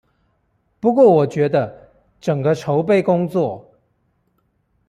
不過我覺得，整個籌備工作